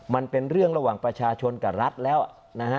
มันเป็นเรื่องระหว่างประชาชนกับรัฐแล้วนะฮะ